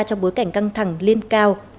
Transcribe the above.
trong bối cảnh căng thẳng liên cao